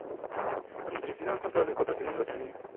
Las motorizaciones son todas de cuatro cilindros en línea.